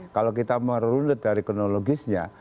kalau kita merunut dari kronologisnya